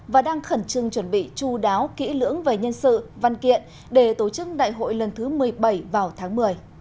và đang khẩn trương chuẩn bị chú đáo kỹ lưỡng về nhân sự văn kiện để tổ chức đại hội lần thứ một mươi bảy vào tháng một mươi